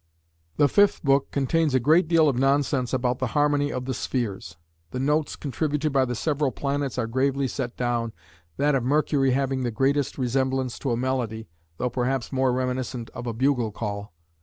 The fifth book contains a great deal of nonsense about the harmony of the spheres; the notes contributed by the several planets are gravely set down, that of Mercury having the greatest resemblance to a melody, though perhaps more reminiscent of a bugle call.